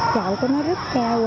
chậu của nó rất cao